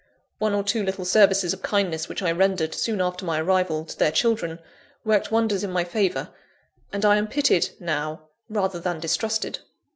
One or two little services of kindness which I rendered, soon after my arrival, to their children, worked wonders in my favour; and I am pitied now, rather than distrusted.